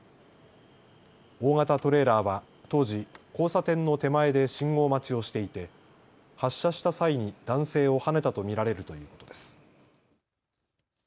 大型トレーラーは当時、交差点の手前で信号待ちをしていて発車した際に男性をはねたと見られるということです。